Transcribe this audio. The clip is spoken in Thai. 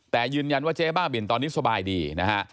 แต่ยืนยันว่าเจ๊บ้าบินตอนนี้สบายดีนะฮะ